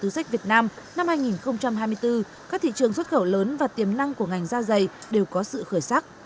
cách việt nam năm hai nghìn hai mươi bốn các thị trường xuất khẩu lớn và tiềm năng của ngành gia giày đều có sự khởi sắc